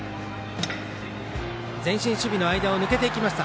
前進守備の間を抜けていきました。